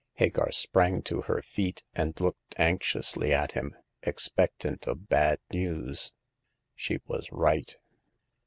Hagar sprang to her feet, and looked anxiously at him, expectant of bad news. She was right.